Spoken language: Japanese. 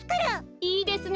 いいですね。